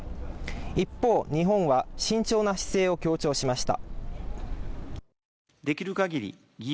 一方、日本は慎重な姿勢を強調しました。